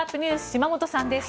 島本さんです。